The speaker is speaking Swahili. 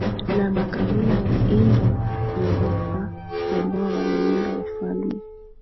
na makabila ya Indo Uropa ambao waliunda ufalme